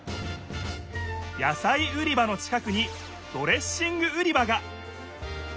野さい売り場の近くにドレッシング売り場が！